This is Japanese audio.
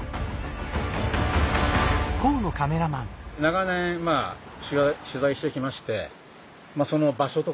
長年取材してきましてその場所とかですね